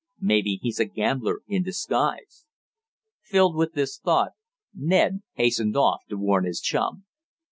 Maybe he's a gambler in disguise." Filled with this thought Ned hastened off to warn his chum.